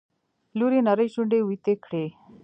لور يې نرۍ شونډې ويتې کړې.